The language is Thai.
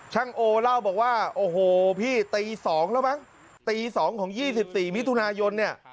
ช่างโอเล่าบอกว่าโอ้โหพี่ตีสองแล้วมั้งตีสองของยี่สิบตีมิถุนายนเนี่ย